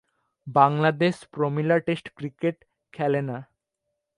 বাংলাদেশ প্রমীলা test cricket খেলে না।